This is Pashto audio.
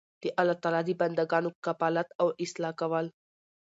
د الله تعالی د بندګانو کفالت او اصلاح کول